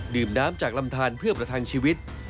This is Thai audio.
น้ำจากลำทานเพื่อประทังชีวิต